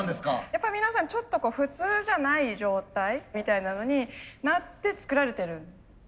やっぱり皆さんちょっと普通じゃない状態みたいなのになって作られてるんですよね。